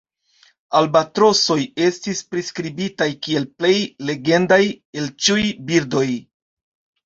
Albatrosoj estis priskribitaj kiel "plej legendaj el ĉiuj birdoj".